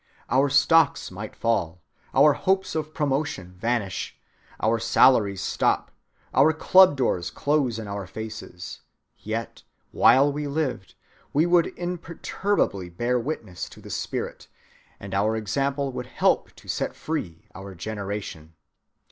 Our stocks might fall, our hopes of promotion vanish, our salaries stop, our club doors close in our faces; yet, while we lived, we would imperturbably bear witness to the spirit, and our example would help to set free our generation.